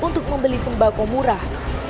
untuk membeli sembako murah